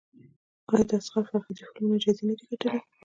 آیا د اصغر فرهادي فلمونه جایزې نه دي ګټلي؟